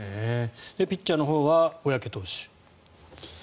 ピッチャーのほうは小宅投手。